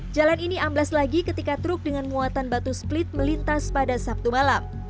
jalan ini amblas lagi ketika truk dengan muatan batu split melintas pada sabtu malam